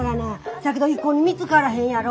そやけど一向に見つからへんやろ？